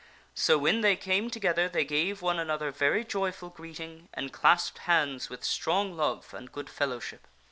So when they came together they gave one another very joyful greeting and clasped hands with strong love and good fellowship.